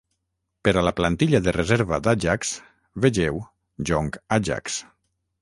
Per a la plantilla de reserva d'Ajax, vegeu: Jong Ajax.